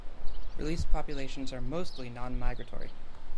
Released populations are mostly non-migratory.